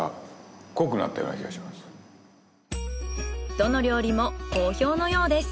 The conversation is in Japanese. どの料理も好評のようです。